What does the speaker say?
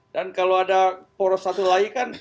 dan kalau ada poros satu lagi kan